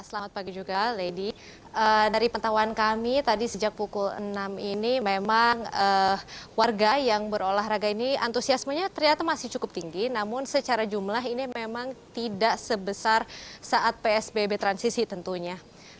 selamat pagi juga lady dari pentahuan kami tadi sejak pukul enam ini memang warga yang berolahraga ini antusiasmenya ternyata masih cukup tinggi namun secara jumlah ini memang tidak sebesar saat psbb transisi tentunya